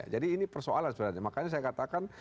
jadi ini persoalan makanya saya katakan